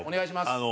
あの